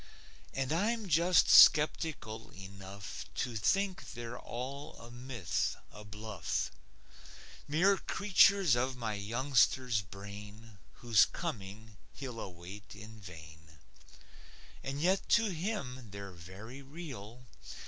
And I'm just skeptical enough To think they're all a myth, a bluff; Mere creatures of my youngster's brain, Whose coming he'll await in vain. And yet to him they're very real.